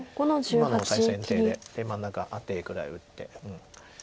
今のオサエの手で真ん中アテぐらい打って。